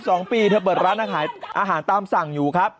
สองปีเธอเปิดร้านอาหารตามสั่งอยู่ครับ